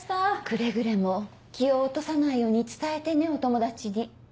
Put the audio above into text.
くれぐれも気を落とさないように伝えてねお友達に。